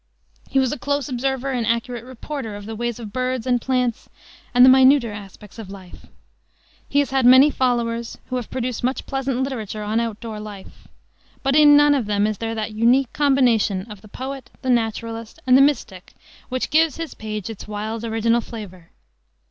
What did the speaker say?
He was a close observer and accurate reporter of the ways of birds and plants and the minuter aspects of nature. He has had many followers, who have produced much pleasant literature on out door life. But in none of them is there that unique combination of the poet, the naturalist and the mystic which gives his page its wild original flavor.